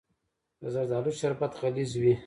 د زردالو شربت غلیظ وي.